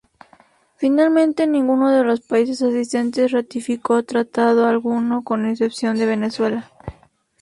Finalmente ninguno de los países asistentes ratificó tratado alguno, con excepción de Venezuela.